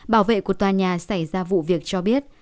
bảo vệ của tòa nhà xảy ra vụ việc cho biết